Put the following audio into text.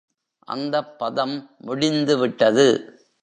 அந்தப் பதம் முடிந்துவிட்டது.